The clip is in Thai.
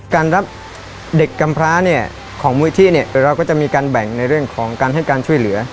การรับเด็กกำพลาของมือที่เราก็จะมีการแบ่งในเรื่องของการให้การช่วยเหลือ